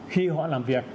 khi họ làm việc